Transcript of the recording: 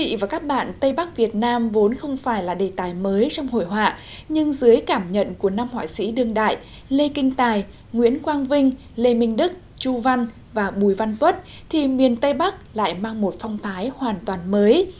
thưa quý vị và các bạn tây bắc việt nam vốn không phải là đề tài mới trong hội họa nhưng dưới cảm nhận của năm họa sĩ đương đại lê kinh tài nguyễn quang vinh lê minh đức chu văn và bùi văn tuất thì miền tây bắc lại mang một phong tái hoàn toàn mới